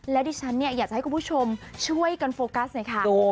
และดิฉันเนี่ยอยากจะให้คุณผู้ชมช่วยกันโฟกัสหน่อยค่ะ